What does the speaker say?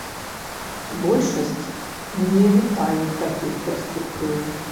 Большасць не вітаюць такіх перспектыў.